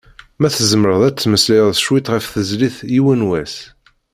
Ma tzemmreḍ ad d-temmeslayeḍ cwiṭ ɣef tezlit "Yiwen wass".